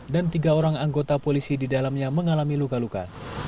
dan tiga orang anggota polisi di dalamnya mengalami luka luka